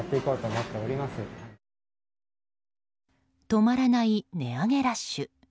止まらない値上げラッシュ。